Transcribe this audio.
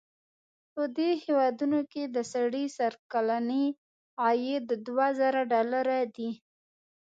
په دې هېوادونو کې د سړي سر کلنی عاید دوه زره ډالره دی.